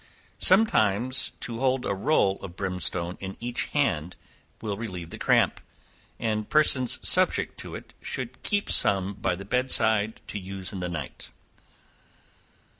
Sometimes to hold a roll of brimstone in each hand will relieve the cramp, and persons subject to it should keep some by the bed side to use in the night.